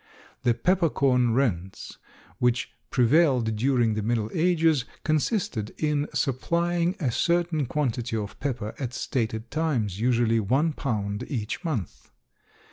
The pepper corn rents, which prevailed during the Middle Ages, consisted in supplying a certain quantity of pepper at stated times, usually one pound each month.